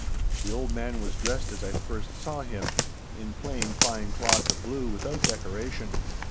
The old man was dressed as I first saw him—in plain, fine cloth of blue without decoration.